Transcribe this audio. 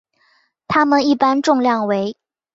它们一般的重量为。